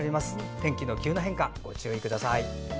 天気の変化ご注意ください。